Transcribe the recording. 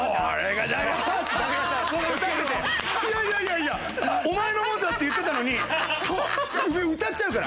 いやいやいやいやお前のもんだって言ってたのにそう歌っちゃうから。